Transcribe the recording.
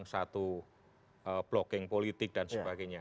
satu blocking politik dan sebagainya